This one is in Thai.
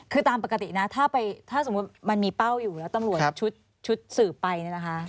คือตามปกตินะถ้าสมมติมีเป้าอยู่แล้ว